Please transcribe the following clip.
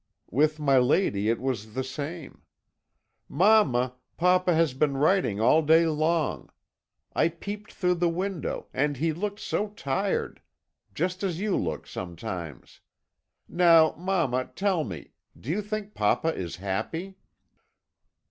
"With my lady it was the same. "'Mamma, papa has been writing all day long. I peeped through the window, and he looked so tired just as you look sometimes. Now, mamma, tell me do you think papa is happy?'